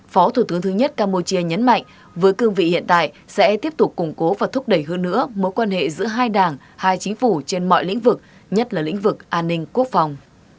phó thủ tướng thứ nhất campuchia nhấn mạnh với cương vị hiện tại sẽ tiếp tục củng cố và thúc đẩy hơn nữa mối quan hệ giữa hai đảng hai chính phủ trên mọi lĩnh vực nhất là lĩnh vực an ninh quốc phòng